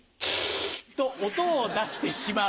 と音を出してしまう。